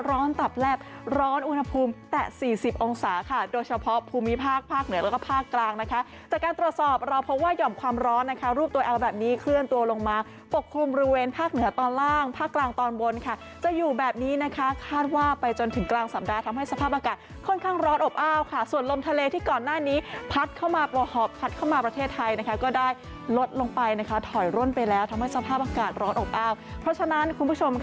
ร้อนตับแลบร้อนอุณหภูมิแต่สี่สิบองศาค่ะโดยเฉพาะภูมิภาคภาคเหนือแล้วก็ภาคกลางนะคะจากการตรวจสอบเราพบว่าหย่อมความร้อนนะคะรูปตัวแอลแบบนี้เคลื่อนตัวลงมาปกคลุมริเวณภาคเหนือตอนล่างภาคกลางตอนบนค่ะจะอยู่แบบนี้นะคะคาดว่าไปจนถึงกลางสัปดาห์ทำให้สภาพอากาศค่อนข้างร้อนอบอ้าวค่